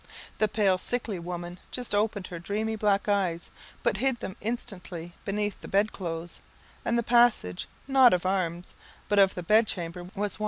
The pale sickly woman just opened her dreamy black eyes, but hid them instantly beneath the bed clothes, and the passage, not of arms, but of the bed chamber, was won.